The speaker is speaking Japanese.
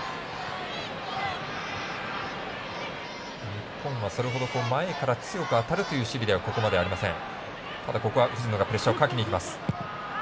日本はそれほど強く当たるという守備では、ここまでありません。